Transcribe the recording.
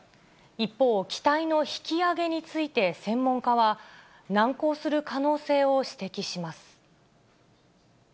一方、機体の引き揚げについて専門家は、難航する可能性を指摘します。